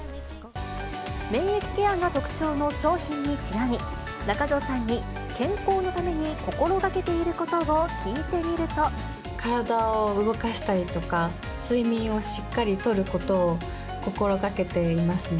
免疫ケアが特徴の商品にちなみ、中条さんに、健康のために心がけ体を動かしたりとか、睡眠をしっかりとることを心がけていますね。